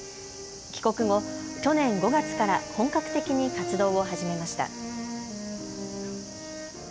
帰国後、去年５月から本格的に活動を始めました。